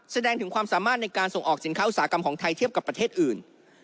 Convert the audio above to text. แสดงถึงความสามารถในการส่งออกสินค้าอุตสาหกรรมของไทยเทียบกับประเทศอื่น